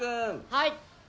はい。